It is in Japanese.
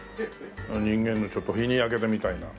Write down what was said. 人間のちょっと日に焼けたみたいな。